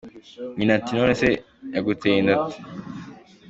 Nyina ati ”None se yaguteye inda ate ?“.